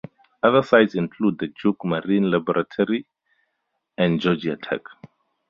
Other sites include the Duke Marine Laboratory and Georgia Tech.